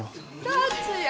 達也